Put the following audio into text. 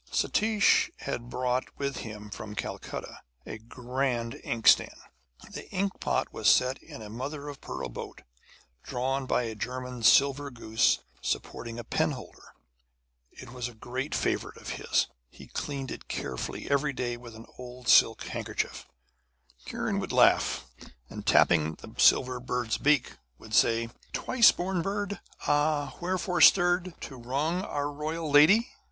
Satish had brought with him from Calcutta a grand inkstand. The inkpot was set in a mother of pearl boat drawn by a German silver goose supporting a penholder. It was a great favourite of his, and he cleaned it carefully every day with an old silk handkerchief. Kiran would laugh and, tapping the silver bird's beak, would say Twice born bird, ah! wherefore stirred To wrong our royal lady?